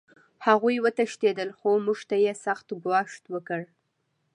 هغوی وتښتېدل خو موږ ته یې سخت ګواښ وکړ